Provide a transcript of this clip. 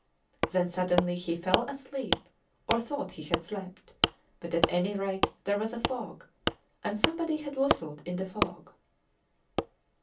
Then, suddenly, he fell asleep, or thought he had slept; but at any rate there was a fog, and somebody had whistled in the fog.